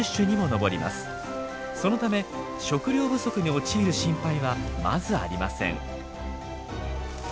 そのため食料不足に陥る心配はまずありません。